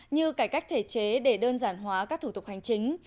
như cải cách thể chế để đơn giản hóa các thủ tục hành chính